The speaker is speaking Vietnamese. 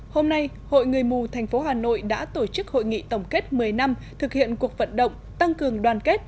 hôm nay hội người mù tp hà nội đã tổ chức hội nghị tổng kết một mươi năm thực hiện cuộc vận động tăng cường đoàn kết